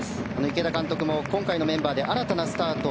池田監督も今回のメンバーで新たなスタート。